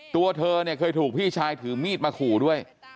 ตัวเธอเนี่ยเคยถูกพี่ชายถือมีดมาขู่ด้วย